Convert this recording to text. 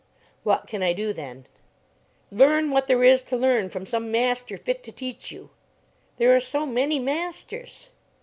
"What can I do then?" "Learn what there is to learn from some master fit to teach you." "There are so many masters."